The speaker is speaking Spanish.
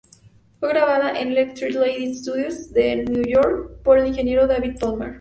Fue grabada en Electric Lady Studios de Nueva York, por el ingeniero David Palmer.